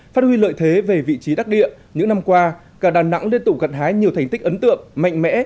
phát huy lợi thế về vị trí đắc địa những năm qua cả đà nẵng liên tục gặt hái nhiều thành tích ấn tượng mạnh mẽ